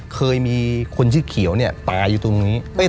เคยมีคนชื่อเขียวเนี่ยตายอยู่ตรงนี้